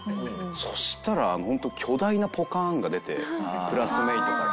そうしたらホント巨大なポカーンが出てクラスメートから。